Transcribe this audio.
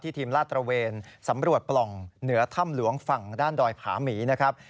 ทีมลาดตระเวนสำรวจปล่องเหนือถ้ำหลวงฝั่งด้านดอยผาหมีนะครับ